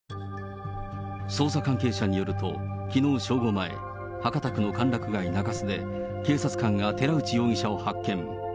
捜査関係者によると、きのう正午前、博多区の歓楽街、中洲で警察官が寺内容疑者を発見。